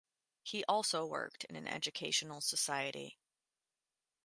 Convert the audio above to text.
He also worked in an educational society.